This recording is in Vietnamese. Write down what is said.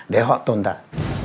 để họ tồn tại